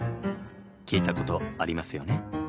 聞いたことありますよね？